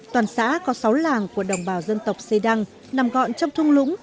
toàn xã có sáu làng của đồng bào dân tộc xê đăng nằm gọn trong thung lũng